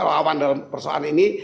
lawan persoalan ini